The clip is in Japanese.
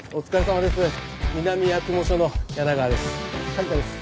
苅田です。